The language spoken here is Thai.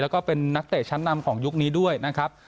แล้วก็เป็นนักเตะชั้นนำของยุคนี้ด้วยนะครับ